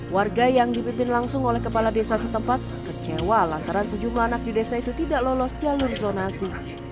warga yang dipimpin langsung oleh kepala desa setempat kecewa lantaran sejumlah anak di desa itu tidak lolos jalur zonasi